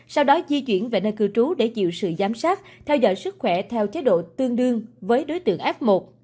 sau đó di chuyển về nơi cư trú để chịu sự giám sát theo dõi sức khỏe theo chế độ tương đương với đối tượng f một